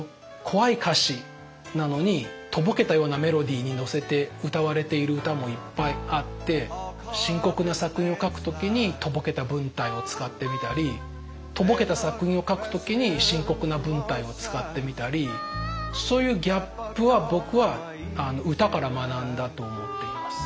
怖い歌詞なのにとぼけたようなメロディーにのせて歌われている歌もいっぱいあって深刻な作品を書く時にとぼけた文体を使ってみたりとぼけた作品を書く時に深刻な文体を使ってみたりそういうギャップは僕は歌から学んだと思っています。